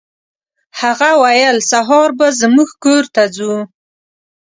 هغه ویل سهار به زموږ کور ته ځو.